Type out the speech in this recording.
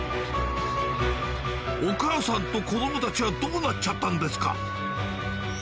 お母さんと子供たちはどうなっちゃったんですか